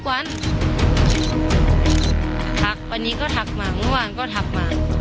วันนี้ก็ทักมาเมื่อวานก็ทักมา